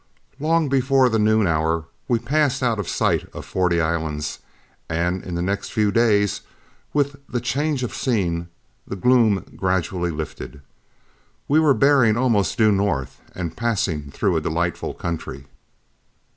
Long before the noon hour, we passed out of sight of Forty Islands, and in the next few days, with the change of scene, the gloom gradually lifted. We were bearing almost due north, and passing through a delightful country.